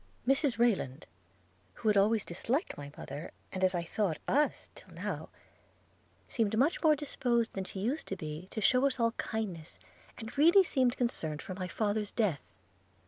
– 'Mrs Rayland, who had always disliked my mother, and, as I thought, us till now, seemed much more disposed than she used to be to shew us all kindness, and really seemed concerned for my father's death.